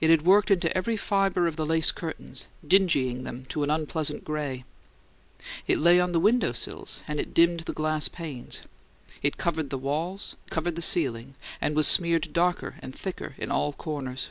It had worked into every fibre of the lace curtains, dingying them to an unpleasant gray; it lay on the window sills and it dimmed the glass panes; it covered the walls, covered the ceiling, and was smeared darker and thicker in all corners.